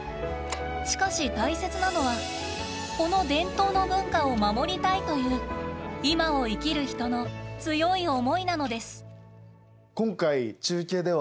しかし、大切なのはこの伝統の文化を守りたいという「今」を生きる人の強い思いなのです。